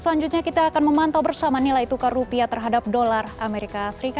selanjutnya kita akan memantau bersama nilai tukar rupiah terhadap dolar as